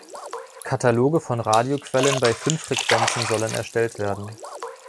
Kataloge von Radioquellen bei fünf Frequenzen sollen erstellt werden.